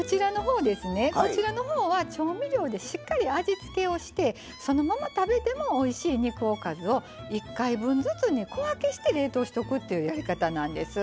こちらのほうは調味料でしっかり味付けをしてそのまま食べてもおいしい肉おかずを１回分ずつに小分けして冷凍しとくっていうやり方なんです。